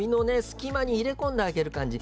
隙間に入れ込んであげる感じ